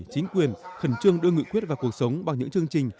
chính quyền khẩn trương đưa nghị quyết vào cuộc sống bằng những chương trình